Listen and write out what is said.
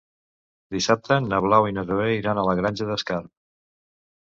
Dissabte na Blau i na Zoè iran a la Granja d'Escarp.